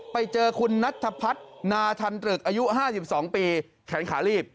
ไปเจอคุณนัทพัฒนาทันตรึกอายุ๕๒ปีแขนขาลีบ